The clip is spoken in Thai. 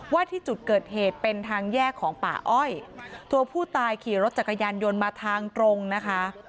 ว่าที่จุดเกิดเหตุเป็นทางแยกของป่าอ้อยตัวผู้ตายขี่รถจักรยานยนต์มาทางตรงนะคะ